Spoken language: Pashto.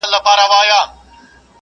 خپل ځان له بدو ملګرو وساتئ.